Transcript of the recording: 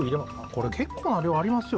これ結構な量ありますよ。